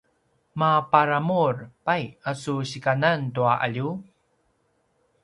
maparamur pai a su sikanan tua alju?